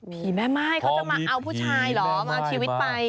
แม่ม่ายเขาจะมาเอาผู้ชายเหรอมาเอาชีวิตไป